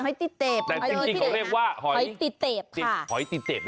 หอยติเตบหอยติเตบค่ะหอยติเตบได้แจ๊บ